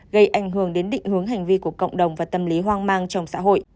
gây ảnh hưởng đến định hướng hành vi của cộng đồng và tâm lý hoang mang trong xã hội